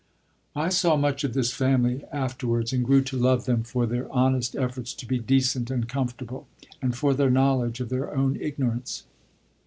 I saw much of this family afterwards, and grew to love them for their honest efforts to be decent and comfortable, and for their knowledge of their own ignorance.